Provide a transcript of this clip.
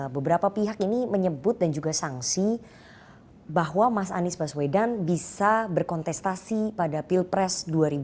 beberapa pihak ini menyebut dan juga sanksi bahwa mas anies baswedan bisa berkontestasi pada pilpres dua ribu dua puluh